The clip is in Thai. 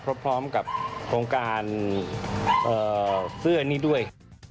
พร้อมกับโครงการเสื้อนี้ด้วย